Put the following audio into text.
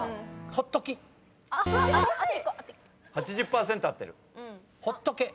８０％合ってる。